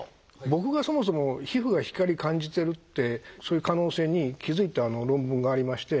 僕がそもそも皮膚が光感じてるってそういう可能性に気付いた論文がありまして。